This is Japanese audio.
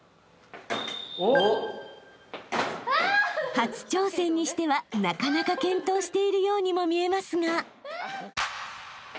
［初挑戦にしてはなかなか健闘しているようにも見えますが］